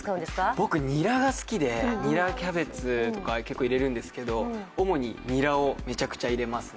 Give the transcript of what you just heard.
僕、ニラが好きでニラキャベツとかをつかうんですけど主にニラをめちゃくちゃ入れますね。